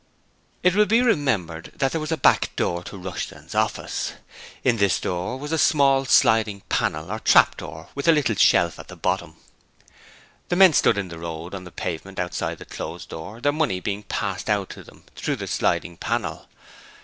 It will be remembered that there was a back door to Rushton's office; in this door was a small sliding panel or trap door with a little shelf at the bottom. The men stood in the road on the pavement outside the closed door, their money being passed out to them through the sliding panel.